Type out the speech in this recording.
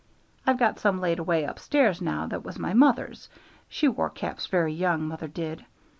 I've got some laid away up stairs now that was my mother's she wore caps very young, mother did.